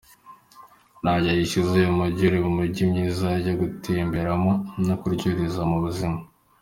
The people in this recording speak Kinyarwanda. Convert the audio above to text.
Ntagihe gishize uyu mugi uri mu mijyi myiza yo gutembereramo no kuryohereza mo ubuzima .